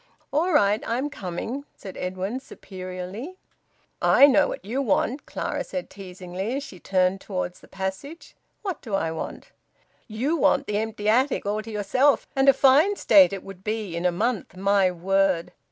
"All right! I'm coming," said Edwin superiorly. "I know what you want," Clara said teasingly as she turned towards the passage. "What do I want?" "You want the empty attic all to yourself, and a fine state it would be in in a month, my word!"